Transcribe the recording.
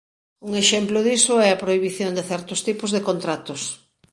Un exemplo diso é a prohibición de certos tipos de contratos.